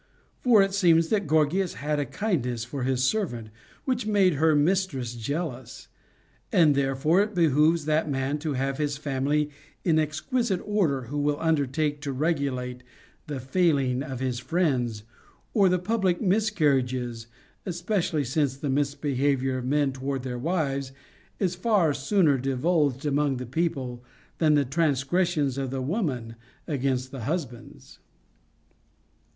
For it seems that Gorgias had a kindness for his servant, which made her mistress jealous. And therefore it behooves that man to have his family in exquisite order who will under take to regulate the failing of his friends or the public miscarriages, especially since the misbehavior of men toward their wives is far sooner divulged among• the people than the transgressions of women against their husbands.